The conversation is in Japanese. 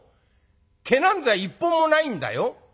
毛なんざ一本もないんだよ。